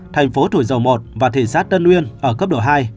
thành phố thủy dầu một và thị xã tân nguyên ở cấp độ hai